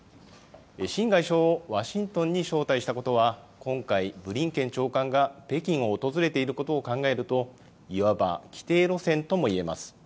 秦外相をワシントンに招待したことは、今回、ブリンケン長官が北京を訪れていることを考えると、いわば既定路線ともいえます。